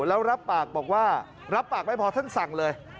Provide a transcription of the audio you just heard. แล้วรับปากบอกว่ารับปากไม่พอท่านสั่งเลย